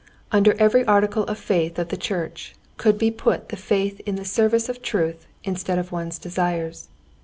Under every article of faith of the church could be put the faith in the service of truth instead of one's desires.